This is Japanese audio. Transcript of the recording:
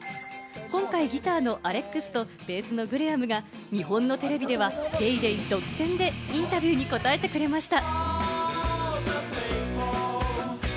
今回、ギターのアレックスとベースのグレアムが日本のテレビでは『ＤａｙＤａｙ．』独占でインタビューに答えてくれました。